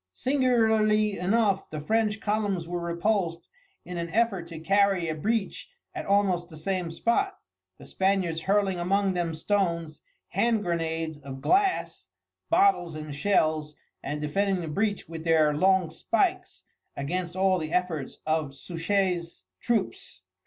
Singularly enough the French columns were repulsed in an effort to carry a breach at almost the same spot, the Spaniards hurling among them stones, hand grenades of glass bottles and shells, and defending the breach with their long pikes against all the efforts of Suchet's troops.